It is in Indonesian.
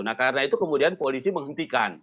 nah karena itu kemudian polisi menghentikan